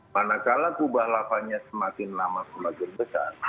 manakala kubah lavanya semakin lama semakin besar